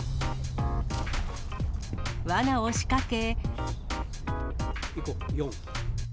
わなを仕掛け。